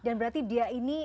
dan berarti dia ini